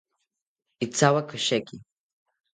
Ithawaki osheki